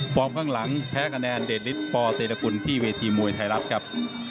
ข้างหลังแพ้คะแนนเดชฤทธปเตรกุลที่เวทีมวยไทยรัฐครับ